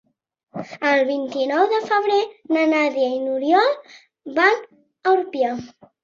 El vint-i-nou de febrer na Nàdia i n'Oriol van a Rupià.